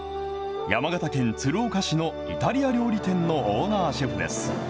山形県鶴岡市のイタリア料理店のオーナーシェフです。